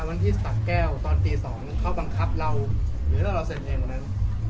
อ่ะวันที่สักแก้วตอนตีสองเขาบังคับเราหรือเราเสร็จเพลงตอนนั้น